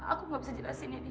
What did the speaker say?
aku gak bisa jelasin ini